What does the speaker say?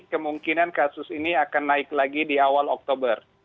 kemungkinan kasus ini akan naik lagi di awal oktober